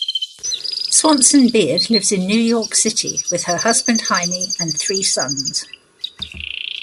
Swanson Beard lives in New York City with her husband Jaime and three sons.